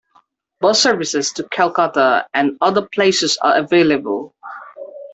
Bus services to Kolkata and other places are available.